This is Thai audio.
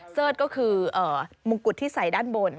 เสิร์ชก็คือมงกุฎที่ใส่ด้านบน